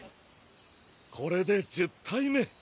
これで１０体目！